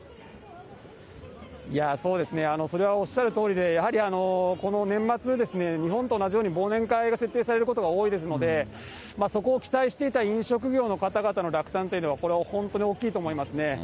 そうですね、それはおっしゃるとおりで、やはりこの年末、日本と同じように忘年会が設定されることが多いですので、そこを期待していた飲食業の方々の落胆というのは、これは本当に大きいと思いますね。